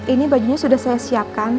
ini bajunya sudah saya siapkan